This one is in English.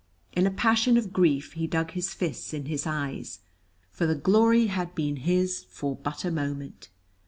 In a passion of grief he dug his fists in his eyes, for the glory had been his for but a moment.